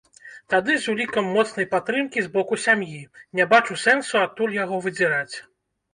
Тады з улікам моцнай падтрымкі з боку сям'і, не бачу сэнсу адтуль яго выдзіраць.